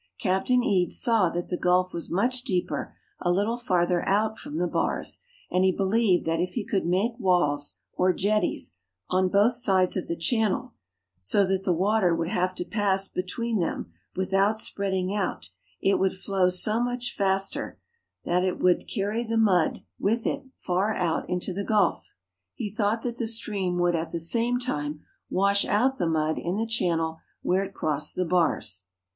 Captain Eads saw that the gulf was much deeper a little farther out from the bars, and he believed that if he could make walls, or jetties, on both sides of the channel, so that the water would have to pass between them without spreading out, it would flow so much faster that it would carry the mud with it far out into the gulf. He thought that the stream would at the same time wash out the mud in the channel where it crossed the bars.